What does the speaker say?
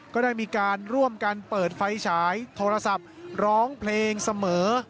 ก็ได้มีการร่วมกันเปิดไฟฉายโทรศัพท์ร้องเพลงเสมอ